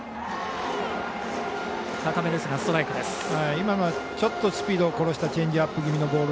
今のはスピードを殺したチェンジアップ気味のボール。